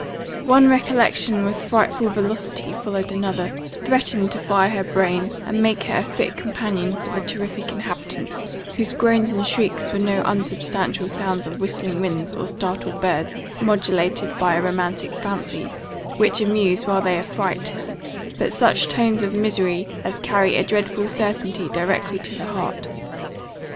One recollection with frightful velocity following another, threatened to fire her brain, and make her a fit companion for the terrific inhabitants, whose groans and shrieks were no unsubstantial sounds of whistling winds, or startled birds, modulated by a romantic fancy, which amuse while they affright; but such tones of misery as carry a dreadful certainty directly to the heart.